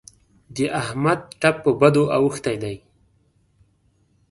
د احمد ټپ پر بدو اوښتی دی.